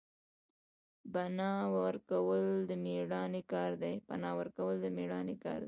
پنا ورکول د میړانې کار دی